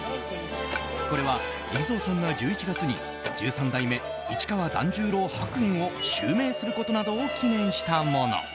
これは海老蔵さんが１１月に十三代目市川團十郎白猿を襲名することなどを記念したもの。